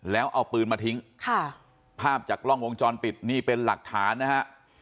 แล้วเอาปืนมาทิ้งค่ะภาพจากกล้องวงจรปิดนี่เป็นหลักฐานนะฮะ